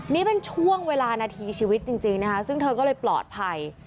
นี่เป็นช่วงเวลานาทีชีวิตจริงนะคะซึ่งเธอก็เลยปลอดภัย